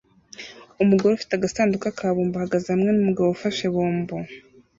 Umugore ufite agasanduku ka bombo ahagaze hamwe numugabo ufashe bombo